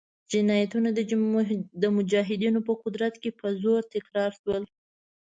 جنایتونه د مجاهدینو په قدرت کې په زور تکرار شول.